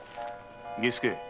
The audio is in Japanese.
儀助。